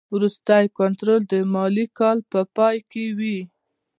وروستی کنټرول د مالي کال په پای کې وي.